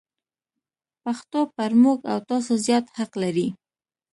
پښتو پر موږ او تاسو زیات حق لري.